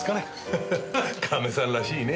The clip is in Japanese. ハハハカメさんらしいね。